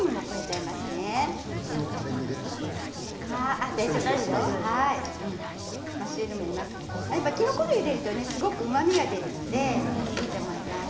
きのこ類を入れるときのこ類を入れるとすごくうまみが出るのでいいと思います。